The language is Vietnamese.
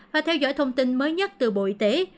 và theo dõi thông tin mới nhất từ bộ y tế